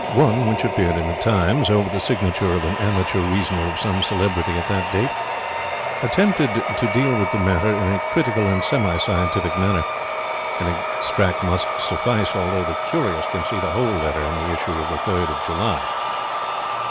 One which appeared in The Times, over the signature of an amateur reasoner of some celebrity at that date, attempted to deal with the matter in a critical and semi scientific manner. An extract must suffice, although the curious can see the whole letter in the issue of the 3rd of July.